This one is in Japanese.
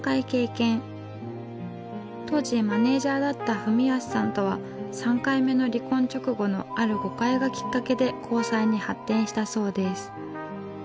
当時マネージャーだった文泰さんとは３回目の離婚直後のある誤解がきっかけで交際に発展したそうです。